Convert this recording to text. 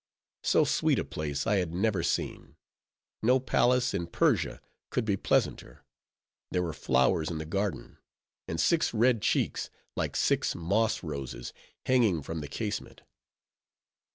So sweet a place I had never seen: no palace in Persia could be pleasanter; there were flowers in the garden; and six red cheeks, like six moss roses, hanging from the casement.